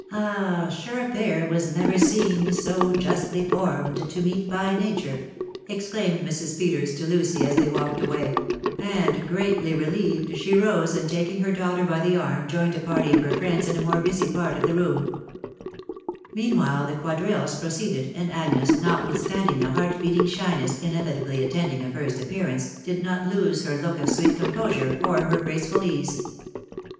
" Ah ! sure a pair wag never seen. So justly; formed to meet by nature !" exclaimed Mrs. Peters to Lucy, as they walked swmyp and greatly relieved, she rose, and taking he* daughter by the joined a party of her friends in a more busy part oi the Meanwhile the quadrilles proceeded, and Agnes* standing the heart beating shyness inevitably attending a fin* appearance, did not lose her foot of sweet composui* er hes graceful ease.